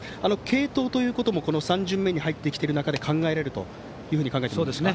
継投ということも３巡目に入ってきている中で考えられると考えていますか。